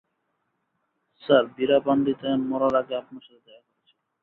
Sir, Veerapandian মরার আগে আপনার সাথে দেখা করেছিল।